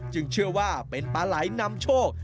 เชื่อว่าเป็นปลาไหลนำโชค